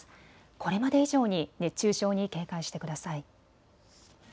これまで以上に熱中症に警戒してください。